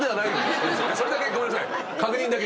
それだけごめんなさい確認だけ。